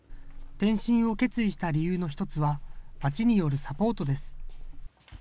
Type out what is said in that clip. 転身を決意した理由の一つは、町によるサポートです。